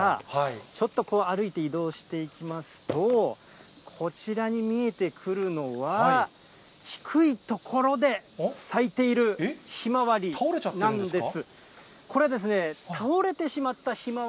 ちょっと歩いて移動していきますと、こちらに見えてくるのは、低い所で咲いているひまわりなんです。